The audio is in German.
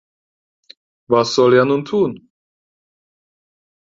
Was soll er nun tun?